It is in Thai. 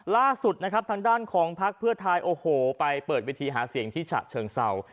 ล่าสุดนะครับทางด้านของพักเพื่อไทยโอ้โหไปเปิดเวทีหาเสียงที่ฉะเชิงเศร้า